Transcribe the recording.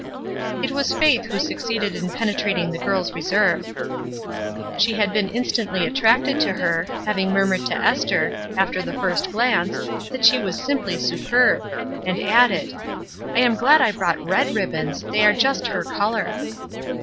It was Faith who succeeded in penetrating the girPs reserve. She had been instantly at tracted to her, having murmured to Esther, after the first glance, that she was "simply superb!" and added, "I am glad I brought red ribbons, they are just her color."